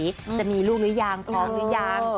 จะมีลูกหรือยังพร้อมหรือยัง